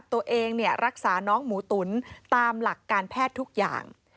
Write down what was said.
ตัวเองรักษาน้องหมูตุ๋นตามหลักการแพทย์ทุกอย่าง